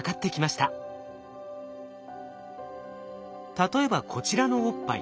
例えばこちらのおっぱい。